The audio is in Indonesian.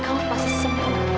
kamu pasti sempat